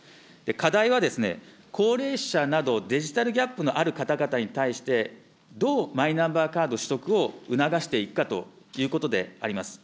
課題はですね、高齢者など、デジタルギャップのある方々に対して、どうマイナンバーカード取得を促していくかということであります。